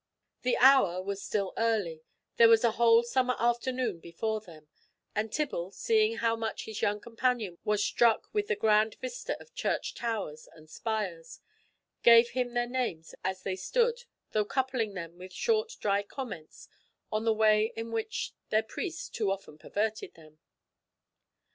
The hour was still early, there was a whole summer afternoon before them; and Tibble, seeing how much his young companion was struck with the grand vista of church towers and spires, gave him their names as they stood, though coupling them with short dry comments on the way in which their priests too often perverted them.